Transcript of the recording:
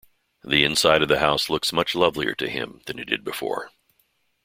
The inside of the house looks much lovelier to him than it did before.